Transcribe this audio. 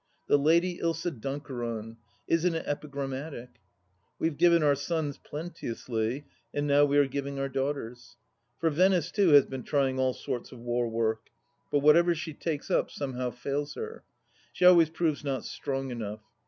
The Lady Ilsa Dunkeron 1 Isn't it epigrammatic ? We have given our sons plenteously, and now we are giving our daughters ! For Venice, too, has been trying all sorts of war work; but whatever she takes up somehow fails her. She always proves not strong enough.